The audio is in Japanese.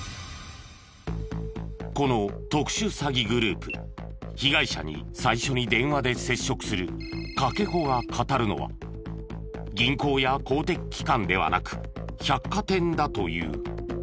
この特殊詐欺グループ被害者に最初に電話で接触するかけ子がかたるのは銀行や公的機関ではなく百貨店だという。